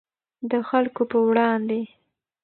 د خلکو په وړاندې.